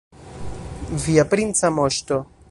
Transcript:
Via princa moŝto!